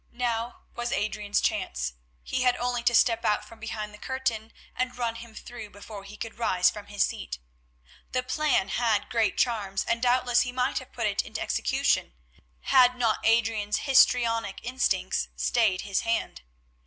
Now was Adrian's chance; he had only to step out from behind the curtain and run him through before he could rise from his seat. The plan had great charms, and doubtless he might have put it into execution had not Adrian's histrionic instincts stayed his hand.